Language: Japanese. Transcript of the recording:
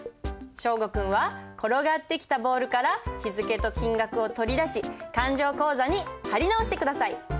祥伍君は転がってきたボールから日付と金額を取り出し勘定口座に貼り直して下さい。